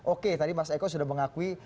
oke tadi mas eko sudah mengakui